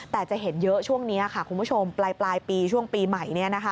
แต่จะเห็นเยอะช่วงนี้ค่ะคุณผู้ชมปลายปีช่วงปีใหม่